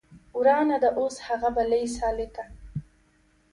ورانه ده اوس هغه بلۍ سالکه